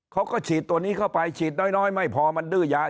เขาก็ฉีดตัวนี้เข้าไปฉีดน้อยไม่พอมันดื้อยา